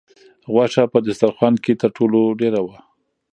غوښه په دسترخوان کې تر ټولو ډېره وه.